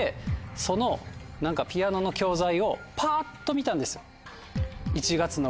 そのピアノの教材をパっと見たんです。